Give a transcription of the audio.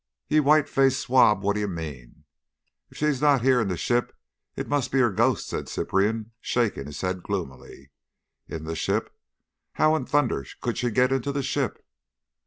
'Ye white faced swab, what d'ye mean?' 'If she's not here in the ship it must be her ghost,' said Cyprian, shaking his head gloomily. 'In the ship! How in thunder could she get into the ship?